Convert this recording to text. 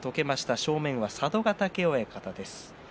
正面が佐渡ヶ嶽親方です。